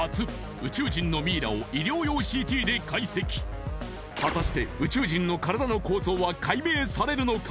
宇宙人のミイラを医療用ＣＴで解析果たして宇宙人の体の構造は解明されるのか？